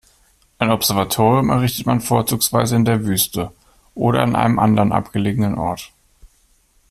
Ein Observatorium errichtet man vorzugsweise in der Wüste oder an einem anderen abgelegenen Ort.